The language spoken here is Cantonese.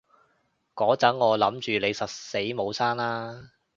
嗰陣我諗住你實死冇生喇